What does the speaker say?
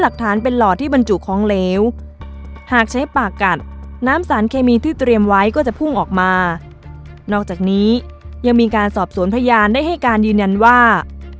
ก็จะพุ่งออกมานอกจากนี้ยังมีการสอบสวนพญานได้ให้การยืนยันว่า